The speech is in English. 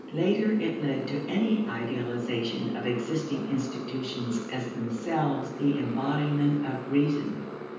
Later it led to any idealization of existing institutions as themselves the embodiment of reason.